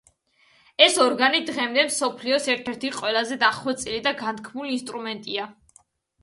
ეს ორგანი დღემდე მსოფლიოს ერთ-ერთი ყველაზე დახვეწილი და განთქმული ინსტრუმენტია.